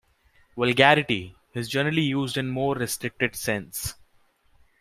"Vulgarity" is generally used in the more restricted sense.